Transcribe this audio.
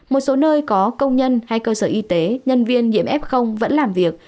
một số nơi có công nhân hay cơ sở y tế nhân viên nhiễm f vẫn làm việc